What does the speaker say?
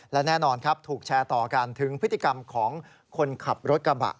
และแน่นอนครับถูกแชร์ต่อกันถึงพฤติกรรมของคนขับรถกระบะ